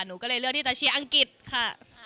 หนูก็เลยเลือกที่จะเชียร์อังกฤษค่ะ